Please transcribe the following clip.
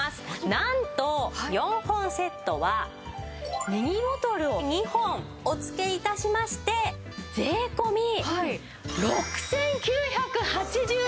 なんと４本セットはミニボトルを２本お付け致しまして税込６９８０円です！